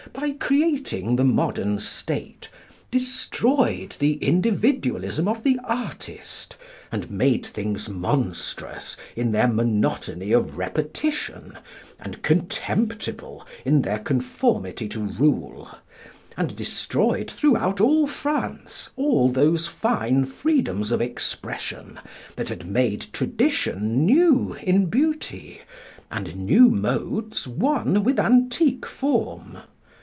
by creating the modern state, destroyed the individualism of the artist, and made things monstrous in their monotony of repetition, and contemptible in their conformity to rule, and destroyed throughout all France all those fine freedoms of expression that had made tradition new in beauty, and new modes one with antique form.